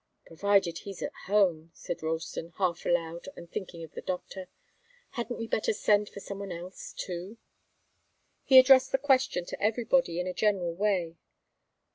"Provided he's at home," said Ralston, half aloud and thinking of the doctor. "Hadn't we better send for some one else, too?" He addressed the question to everybody, in a general way.